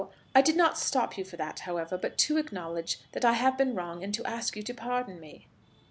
I did not stop you for that, however, but to acknowledge that I have been wrong, and to ask you to pardon me."